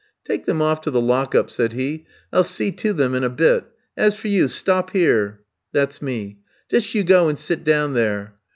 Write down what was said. "'Take them off to the lock up,' said he. 'I'll see to them in a bit. As for you, stop here!' "That's me. "'Just you go and sit down there.'